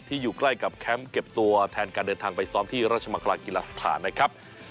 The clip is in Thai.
อยู่ใกล้กับแคมป์เก็บตัวแทนการเดินทางไปซ้อมที่ราชมังคลากีฬาสถานนะครับ